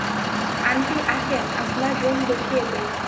Aunty আসেন, আপনার room দেখিয়ে দেই।